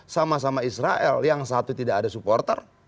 sama sama israel yang satu tidak ada supporter